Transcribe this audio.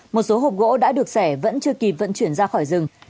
một số hộp gỗ đã được xẻ vẫn chưa kịp vận chuyển ra khỏi rừng